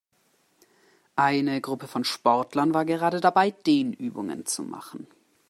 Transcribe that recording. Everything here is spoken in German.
Eine Gruppe von Sportlern war gerade dabei, Dehnübungen zu machen.